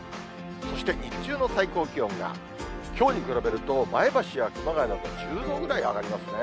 そして日中の最高気温が、きょうに比べると前橋や熊谷などは１０度ぐらい上がりますね。